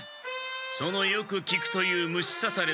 そのよくきくという虫さされの薬